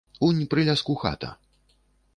Унь пры ляску хата.